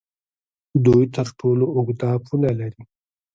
دوی تر ټولو اوږده پوله لري.